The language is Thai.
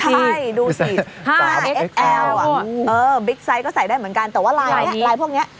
ใช่ดูซิอ่าบิ๊กไซส์ก็ใส่ได้เหมือนกันแต่ว่ารายลายพวกเงี้ย